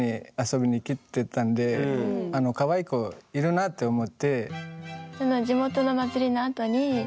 カワイイ子いるなって思って。